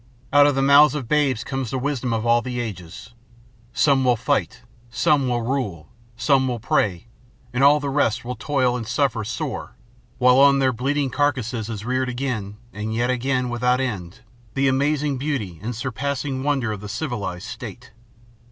Out of the mouths of babes comes the wisdom of all the ages. Some will fight, some will rule, some will pray; and all the rest will toil and suffer sore while on their bleeding carcasses is reared again, and yet again, without end, the amazing beauty and surpassing wonder of the civilized state.